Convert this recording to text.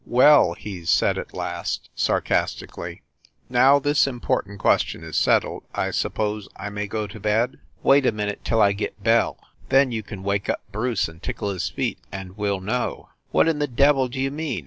"Well," he said at last, sarcastically, "now this important ques tion is settled, I suppose I may go to bed ?" "Wait a minute till I get Belle! Then you can wake up Bruce and tickle his feet and we ll know." "What in the devil d you mean?